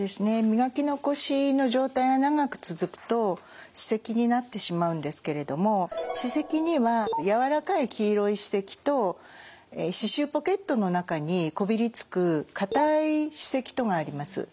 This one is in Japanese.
磨き残しの状態が長く続くと歯石になってしまうんですけれども歯石には軟らかい黄色い歯石と歯周ポケットの中にこびりつく硬い歯石とがあります。